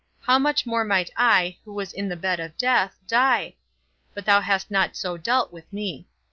How much more might I, who was in the bed of death, die? But thou hast not so dealt with me.